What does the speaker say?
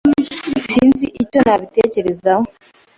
Sinzi icyo nabitekerezaho.